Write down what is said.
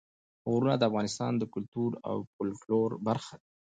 غرونه د افغانستان د کلتور او فولکلور برخه ده.